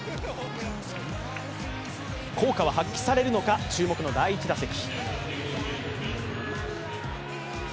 効果は発揮されるのか、注目の第１打席。